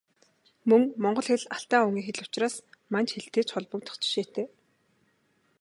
Мөн Монгол хэл Алтай овгийн хэл учраас Манж хэлтэй ч холбогдох жишээтэй.